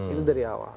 itu dari awal